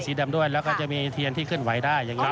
สีดำด้วยและก็จะมีเทียนที่เข้นไหวได้อย่างนี้